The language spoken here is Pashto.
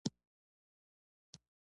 په پښتو کې آشپز خانې ته پخلنځی ویل کیږی.